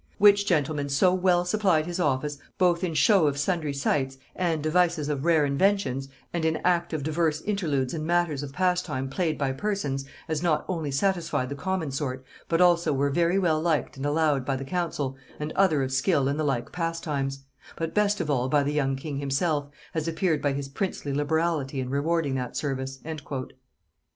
Which gentleman so well supplied his office, both in show of sundry sights and devices of rare inventions, and in act of divers interludes and matters of pastime played by persons, as not only satisfied the common sort, but also were very well liked and allowed by the council, and other of skill in the like pastimes; but best of all by the young king himself, as appeared by his princely liberality in rewarding that service."